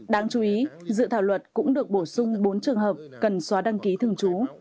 đáng chú ý dự thảo luật cũng được bổ sung bốn trường hợp cần xóa đăng ký thường trú